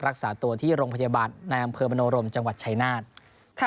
รักษาตัวที่โรงพยาบาลในอำเภอมโนรมจังหวัดชายนาฏ